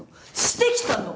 してきたの！